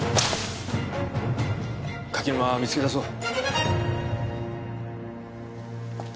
柿沼見つけ出そう。